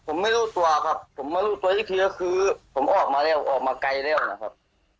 ผมไม่รู้ตัวครับผมมารู้ตัวอีกทีก็คือผมออกมาแล้วออกมาไกลแล้วนะครับ